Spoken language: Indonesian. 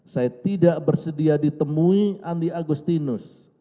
saya tidak bersedia ditemui andi agustinus